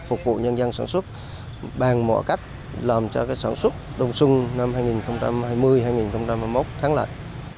phục vụ nhân dân sản xuất bằng mọi cách làm cho sản xuất đông xuân năm hai nghìn hai mươi hai nghìn hai mươi một thắng lợi